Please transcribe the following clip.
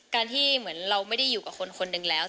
ที่เหมือนเราไม่ได้อยู่กับคนคนหนึ่งแล้ว